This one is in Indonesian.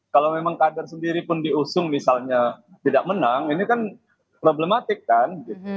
kalau memang kader sendiri pun diusung misalnya tidak menang ini kan problematik kan